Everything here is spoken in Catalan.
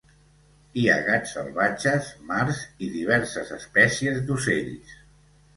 Hi ha gats salvatges, marts i diverses espècies d'ocells.